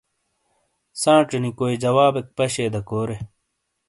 سانچے نی کوئی جوابیک پَشے دا کورے۔